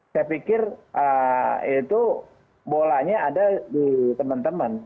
saya pikir itu bolanya ada di teman teman